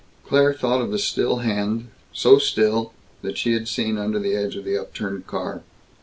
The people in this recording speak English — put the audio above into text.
Claire thought of the still hand so still that she had seen under the edge of the upturned car.